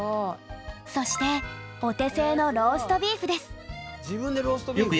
そしてお手製の自分でローストビーフ。